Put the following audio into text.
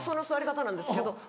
座り方なんですけど。